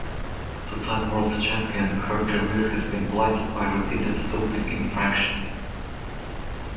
A two-time World Champion, her career has been blighted by repeated doping infractions.